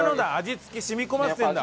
味付け染み込ませてるんだ！